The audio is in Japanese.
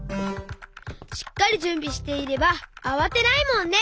しっかりじゅんびしていればあわてないもんね！